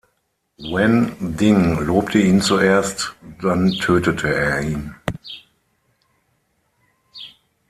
Wen Ding lobte ihn zuerst, dann tötete er ihn.